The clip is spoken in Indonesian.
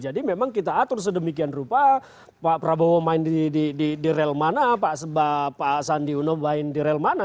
jadi memang kita atur sedemikian rupa pak prabowo main di rel mana pak sandi uno main di rel mana